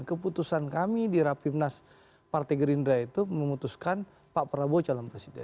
keputusan kami di rapimnas partai gerindra itu memutuskan pak prabowo calon presiden